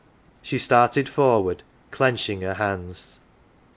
She started forward, clenching her hands.